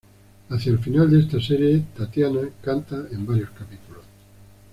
Hacia el final de esta serie, Tatyana canta en varios capítulos.